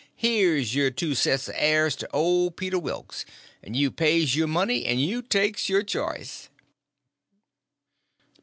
here's your two sets o' heirs to old Peter Wilks—and you pays your money and you takes your choice!"